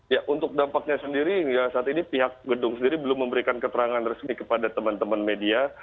ya untuk dampaknya sendiri hingga saat ini pihak gedung sendiri belum memberikan keterangan resmi kepada teman teman media